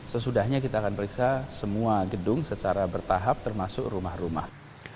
sesudahnya kita akan periksa semua gedung secara bertahap termasuk rumah rumah